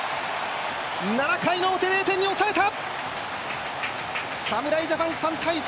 ７回の表、０点に抑えた！